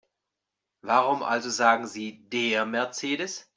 Warum also sagen Sie DER Mercedes?